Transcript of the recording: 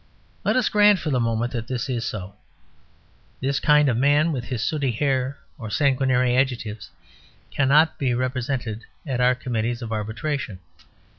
Let us grant, for the moment, that this is so. This Kind of Man, with his sooty hair or sanguinary adjectives, cannot be represented at our committees of arbitration.